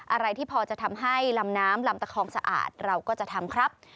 อะไรที่พอจะทำให้ลำน้ำลำตะคองสะอาดเราก็จะทำครับ